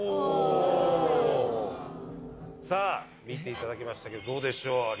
見ていただきましたけどどうでしょう？